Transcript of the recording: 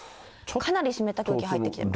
かなり湿った空気入ってきています。